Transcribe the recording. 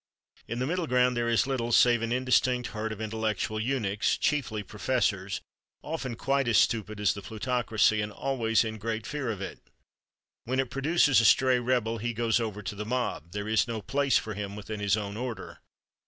In the middle ground there is little save an indistinct herd of intellectual eunuchs, chiefly professors—often quite as stupid as the plutocracy and always in great fear of it. When it produces a stray rebel he goes over to the mob; there is no place for him within his own order.